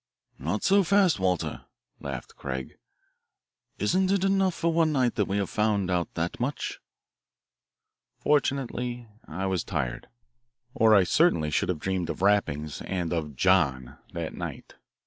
"Not so fast, Walter," laughed Craig. "Isn't it enough for one night that we have found out that much?" Fortunately I was tired, or I certainly should have dreamed of rappings and of "John" that night.